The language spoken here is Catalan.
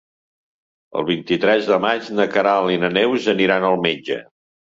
El vint-i-tres de maig na Queralt i na Neus aniran al metge.